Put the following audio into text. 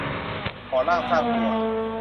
ก่อร่างสร้างตัว